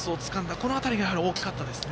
この辺りが大きかったですね。